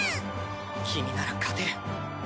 君なら勝てる